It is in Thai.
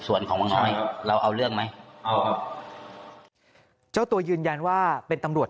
ส่วนของวังน้อยเราเอาเรื่องไหมเอาครับเจ้าตัวยืนยันว่าเป็นตำรวจ